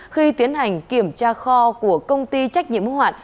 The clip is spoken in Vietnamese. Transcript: khi tiến hành kiểm tra kho của công ty trách nhiệm hoạn